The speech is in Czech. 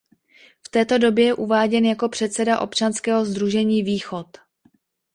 V této době je uváděn jako předseda občanského sdružení Východ.